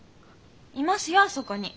いますよあそこに。